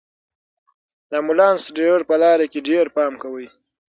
د امبولانس ډرېور په لاره کې ډېر پام کاوه.